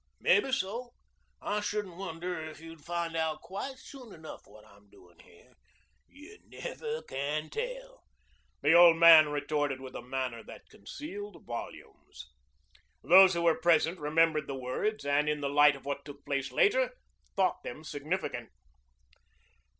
"Maybeso. I shouldn't wonder if you'd find out quite soon enough what I'm doing here. You never can tell," the old man retorted with a manner that concealed volumes. Those who were present remembered the words and in the light of what took place later thought them significant.